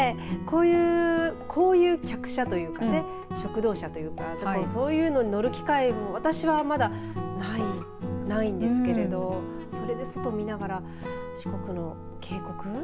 こういう客車というか食堂車というかそういうのに乗る機会も私はまだないんですけれどそれで外を見ながら四国の渓谷。